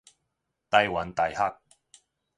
臺灣大學